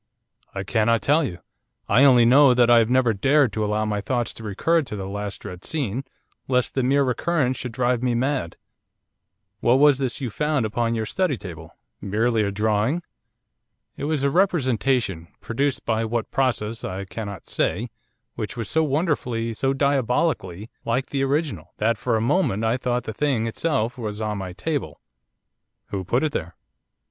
'I cannot tell you. I only know that I have never dared to allow my thoughts to recur to that last dread scene, lest the mere recurrence should drive me mad.' 'What was this you found upon your study table, merely a drawing?' 'It was a representation, produced by what process I cannot say, which was so wonderfully, so diabolically, like the original, that for a moment I thought the thing itself was on my table.' 'Who put it there?